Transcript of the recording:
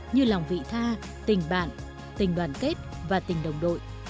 như lòng vị tha tình bạn tình đoàn kết và tình đồng đội